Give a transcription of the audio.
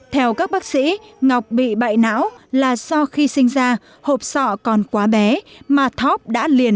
theo các bác sĩ ngọc bị bại não là do khi sinh ra hộp sọ còn quá bé mà thóp đã liền